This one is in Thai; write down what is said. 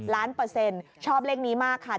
ล้านเปอร์เซ็นต์ชอบเลขนี้มากค่ะ